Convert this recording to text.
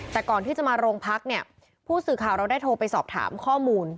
แต่ก่อนที่จะมาโรงพักเนี่ยผู้สื่อข่าวเราได้โทรไปสอบถามข้อมูล